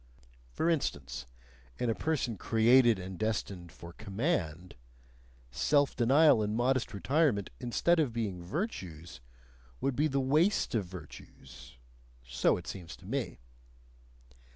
For instance, in a person created and destined for command, self denial and modest retirement, instead of being virtues, would be the waste of virtues: so it seems to me.